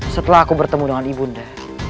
setelah aku bertemu dengan ibunda